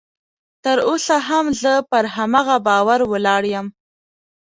تر اوسه هم زه پر هماغه باور ولاړ یم